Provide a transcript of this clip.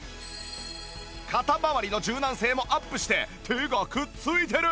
肩まわりの柔軟性もアップして手がくっついてる！